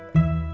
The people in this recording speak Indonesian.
gak ada apa apa